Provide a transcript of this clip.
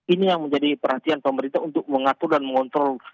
ini yang menjadi perhatian pemerintah untuk mengatur dan mengontrol